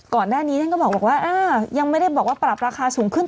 ก่อนหน้านี้ท่านก็บอกว่ายังไม่ได้บอกว่าปรับราคาสูงขึ้น